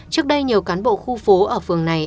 trước đây nhiều cán bộ khu phố ở phường này